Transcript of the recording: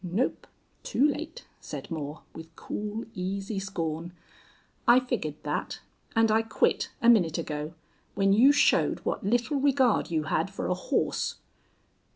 "Nope. Too late," said Moore, with cool, easy scorn. "I figured that. And I quit a minute ago when you showed what little regard you had for a horse."